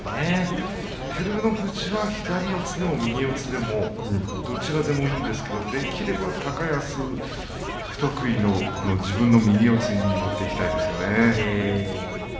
照ノ富士は左四つでも右四つでもどちらでもいいんですけどできれば高安、不得意の自分の右四つに持っていきたいですよね。